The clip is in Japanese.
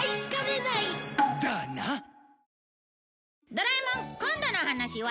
『ドラえもん』今度のお話は